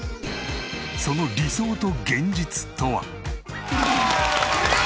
その理想と現実とは？